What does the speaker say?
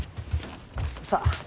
さあ。